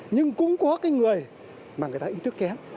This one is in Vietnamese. nhưng cũng có cái người mà người ta ý thức kém